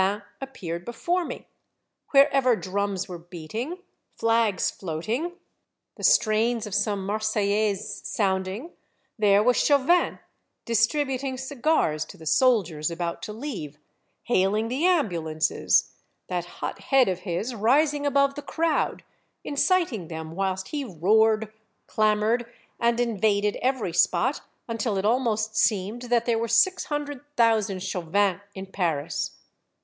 127 Chauvin appeared before me; wherever drums were beating, flags floating, the strains of some Marseillaise sounding, there was Chauvin, distribut ing cigars to the soldiers about to leave, hailing the ambulances, that hot head of his rising above the crowd, inciting them whilst he roared, clamored, and invaded every spot, until it almost seemed that there were six hundred thousand Chauvins in Paris.